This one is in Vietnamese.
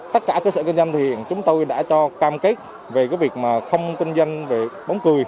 tất cả cơ sở kinh doanh thì chúng tôi đã cho cam kết về cái việc mà không kinh doanh bóng cười